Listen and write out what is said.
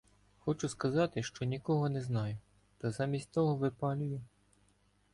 Хочу сказати, що нікого не знаю, та замість того випалюю: